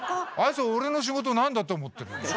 あいつ俺の仕事なんだと思ってるんだ。